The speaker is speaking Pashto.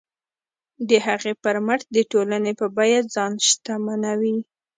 د هغې پر مټ د ټولنې په بیه ځان شتمنوي.